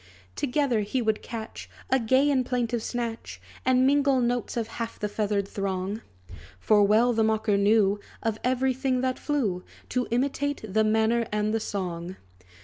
Together he would catch A gay and plaintive snatch, And mingle notes of half the feathered throng. For well the mocker knew, Of every thing that flew, To imitate the manner and the song.